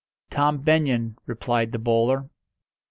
"Tom Benyon," replied the bowler.